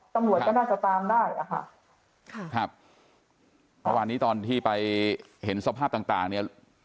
ตำรวจก็น่าจะตามได้อ่ะค่ะค่ะวันนี้ตอนที่ไปเห็นสภาพต่างเนี่ย